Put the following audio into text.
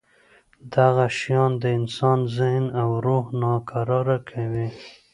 دغه شیان د انسان ذهن او روح ناکراره کوي.